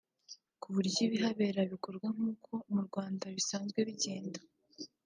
ku buryo ibihabera bikorwa nk’uko mu Rwanda bisanzwe bigenda